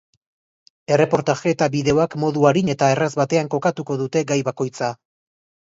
Erreportaje eta bideoak modu arin eta erraz batean kokatuko dute gai bakoitza.